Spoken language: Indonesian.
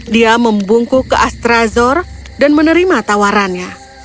dia membungkuk ke astrazor dan menerima tawarannya